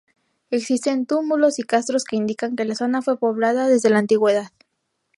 Existen túmulos y castros que indican que la zona fue poblada desde la antigüedad.